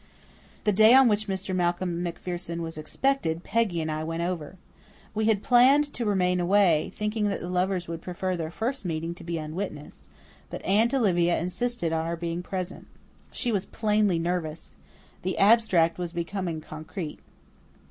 The day on which Mr. Malcolm MacPherson was expected Peggy and I went over. We had planned to remain away, thinking that the lovers would prefer their first meeting to be unwitnessed, but Aunt Olivia insisted on our being present. She was plainly nervous; the abstract was becoming concrete.